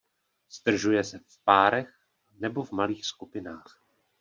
Zdržuje se v párech nebo v malých skupinách.